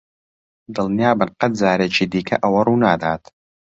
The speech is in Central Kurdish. دڵنیابن قەت جارێکی دیکە ئەوە ڕوونادات.